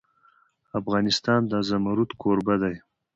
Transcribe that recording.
افغانستان د زمرد کوربه دی.